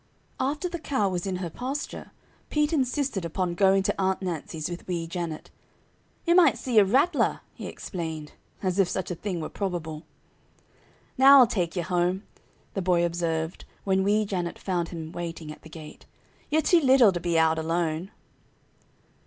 After the cow was in her pasture Pete insisted upon going to Aunt Nancy's with Wee Janet. "Yer might see a rattler," he explained, as if such a thing were probable. "Now I'll take yer home," the boy observed when Wee Janet found him waiting at the gate. "Yer too little to be out alone."